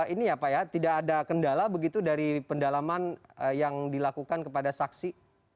ini ya pak ya tidak ada kendala begitu dari pendalaman yang dilakukan kepada saksi